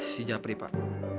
si japri pak